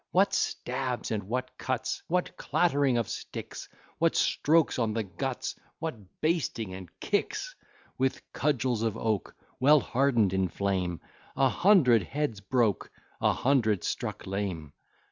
What stabs and what cuts, What clattering of sticks; What strokes on the guts, What bastings and kicks! With cudgels of oak, Well harden'd in flame, A hundred heads broke, A hundred struck lame.